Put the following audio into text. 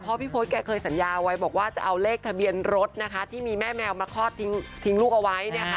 เพราะพี่โพธแกเคยสัญญาไว้บอกว่าจะเอาเลขทะเบียนรถนะคะที่มีแม่แมวมาคลอดทิ้งลูกเอาไว้